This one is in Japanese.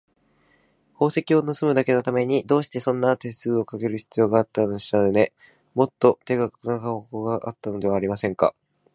宝石をぬすむだけのために、どうしてそんな手数のかかるしかけをしたんでしょうね。もっと手がるな手段がありそうなものじゃありませんか。